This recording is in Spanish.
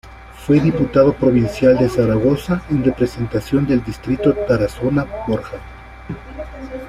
Fue Diputado Provincial de Zaragoza en representación del distrito Tarazona-Borja.